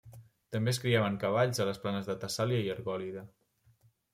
També es criaven cavalls a les planes de Tessàlia i Argòlida.